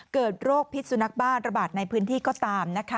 เกิดโรคพิษสุนัขบ้าระบาดในพื้นที่ก็ตามนะคะ